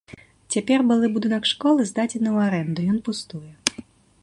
Цяпер былы будынак школы здадзены ў арэнду, ён пустуе.